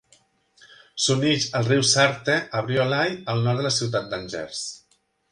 S'uneix al riu Sarthe a Briollay, al nord de la ciutat d'Angers.